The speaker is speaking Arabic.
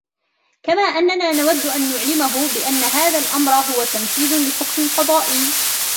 کما اننا نود ان نعلمه بان هذا الامر هو تنفیذ لحکم قضائی